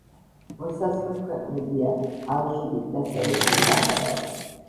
მოსაზღვრე ქვეყნებია: ალჟირი, დასავლეთი საჰარა.